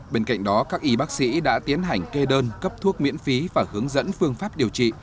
bên cạnh đó các y bác sĩ đã tiến hành kê đơn cấp thuốc miễn phí và hướng dẫn phương pháp điều trị